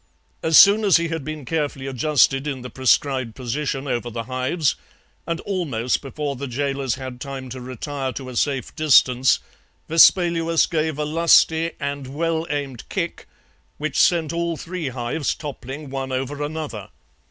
"As soon as he had been carefully adjusted in the prescribed position over the hives, and almost before the gaolers had time to retire to a safe distance, Vespaluus gave a lusty and well aimed kick, which sent all three hives toppling one over another.